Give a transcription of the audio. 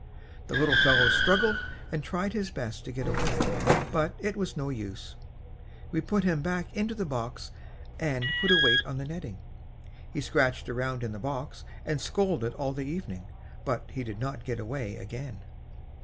The little fellow struggled and tried his best to get away, but it was no use. We put him back into the box and put a weight on the netting. He scratched around in the box and scolded all the evening, but he did not get away again.